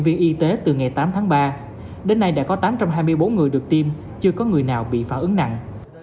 viên y tế từ ngày tám tháng ba đến nay đã có tám trăm hai mươi bốn người được tiêm chưa có người nào bị phản ứng nặng